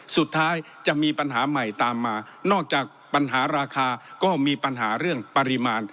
สุดท้ายจะมีปัญหาใหม่ตามมานอกจากปัญหาราคาก็มีปัญหาเรื่องปริมาณ